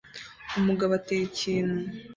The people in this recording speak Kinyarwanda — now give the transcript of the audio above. Umugabo atera ikintu